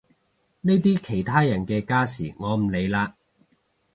呢啲其他人嘅家事我唔理啦